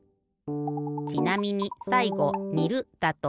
ちなみにさいごにるだと。